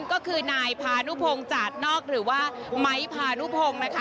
ก็คือนายพานุพงศ์จาดนอกหรือว่าไม้พานุพงศ์นะคะ